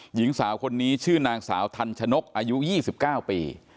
หญิงสาวคนนี้ชื่อนางสาวทันชนกอายุ๒๙ปี